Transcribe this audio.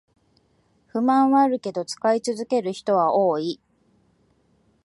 不満はあるけど使い続ける人は多い